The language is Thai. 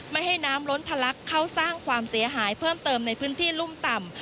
ไม่ให้น้ำล้นทะลักเข้าสร้างความเสียหายเพิ่มเติมในพื้นที่รุ่มต่ำ